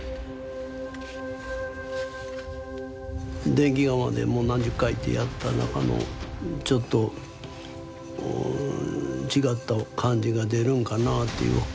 電気窯でもう何十回ってやった中のちょっと違った感じが出るんかなっていう。